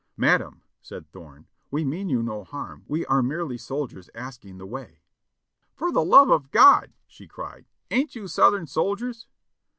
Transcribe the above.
"Madam," said Thorne, "we mean no harm, we are merely soldiers asking the way." "For the love of God!" she cried "ain't you Southern soldiers?"